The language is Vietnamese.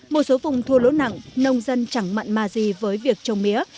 một số vùng thua lỗ nặng nông dân chẳng mặn mà gì với việc trồng mía